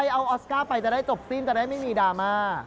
เอาออสการ์ไปจะได้จบสิ้นจะได้ไม่มีดราม่า